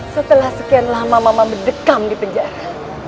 setelah sekian lama mama mendekam di penjara